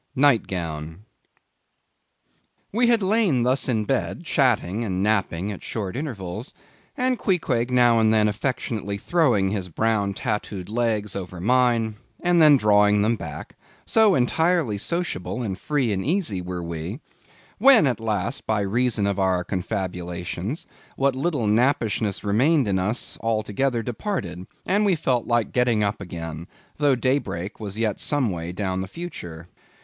Nightgown. We had lain thus in bed, chatting and napping at short intervals, and Queequeg now and then affectionately throwing his brown tattooed legs over mine, and then drawing them back; so entirely sociable and free and easy were we; when, at last, by reason of our confabulations, what little nappishness remained in us altogether departed, and we felt like getting up again, though day break was yet some way down the future.